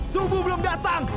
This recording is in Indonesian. sungguh belum datang